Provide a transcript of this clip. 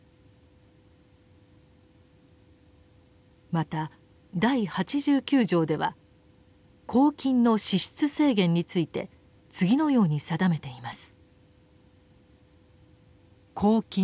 また第八十九条では「公金の支出制限」について次のように定めています。